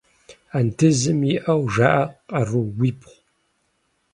Андызым иӏэу жаӏэ къарууибгъу.